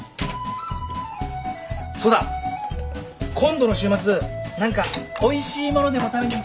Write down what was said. そうだ今度の週末何かおいしい物でも食べに行くかな？